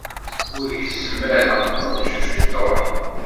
Ur gezzem ara, rju ciṭuḥ.